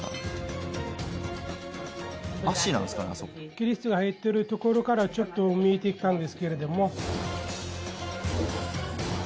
亀裂が入ってるところからちょっと見えてきたんですけれども。